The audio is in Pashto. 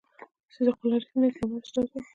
صدیق الله رښتین د ګرامر استاد و.